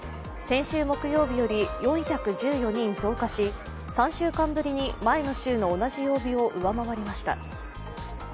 先週木曜日より４１４人増加し３週間ぶりに前の週の同じ曜日を上回りました。